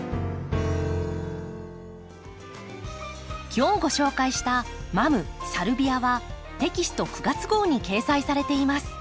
今日ご紹介した「マムサルビア」はテキスト９月号に掲載されています。